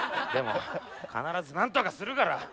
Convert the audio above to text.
でも必ずなんとかするから。